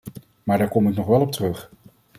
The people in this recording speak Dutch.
Maar daar kom ik nog wel op terug.